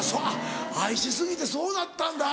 愛し過ぎてそうなったんだ。